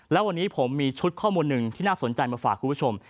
แล้ววันนี้ผมมีชุดข้อมูลหนึ่งที่น่าสนใจมาฝากคุณผู้ชม